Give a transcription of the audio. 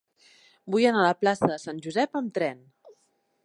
Vull anar a la plaça de Sant Josep amb tren.